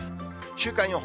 週間予報。